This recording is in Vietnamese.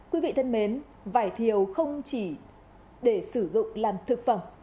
quý vị thân mến vải thiều không chỉ để sử dụng làm thực phẩm